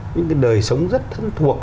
những cái đời sống rất thân thuộc